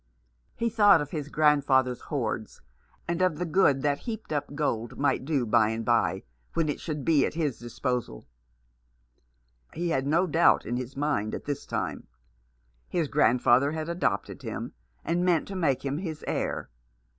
He thought of his grandfather's hoards^ and of 343 Rough Justice. the good that heaped up gold might do, by and by, when it should be at his disposal. He had no doubt in his mind at this time. His grand father had adopted him, and meant to make him his heir.